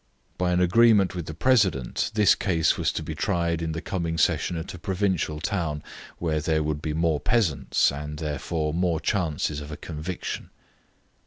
By an agreement with the president this case was to be tried in the coming session at a provincial town, where there would be more peasants, and, therefore, more chances of conviction.